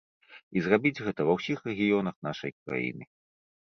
І зрабіць гэта ва ўсіх рэгіёнах нашай краіны.